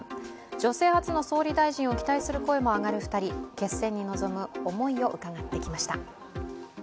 女性初の総理大臣を期待する声も上がる２人決戦に臨む思いを伺ってきました。